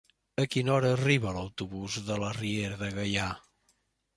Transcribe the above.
A quina hora arriba l'autobús de la Riera de Gaià?